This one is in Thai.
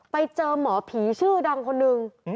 ไปเจอหมอผีชื่อดังคนนึง